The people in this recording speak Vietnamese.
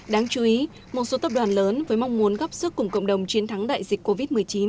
đáng chú ý một số tập đoàn lớn với mong muốn góp sức cùng cộng đồng chiến thắng đại dịch covid một mươi chín